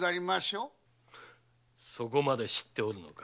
そこまで知っておるのか。